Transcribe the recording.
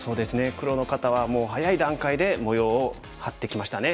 黒の方はもう早い段階で模様を張ってきましたね。